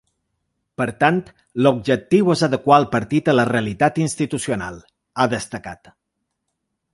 Per tant, ‘l’objectiu és adequar el partit a la realitat institucional’, ha destacat.